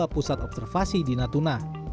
pusat observasi di natuna